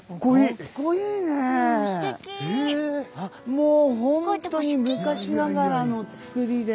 もう本当に昔ながらの作りで。